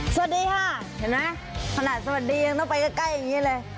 สวัสดีค่ะเห็นไหมขนาดสวัสดียังต้องไปใกล้อย่างนี้เลย